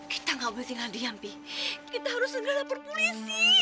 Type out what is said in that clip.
kita gak boleh tinggal diam pi kita harus segera lapor polisi